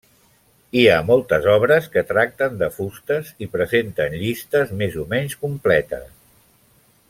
Hi ha moltes obres que tracten de fustes i presenten llistes més o menys completes.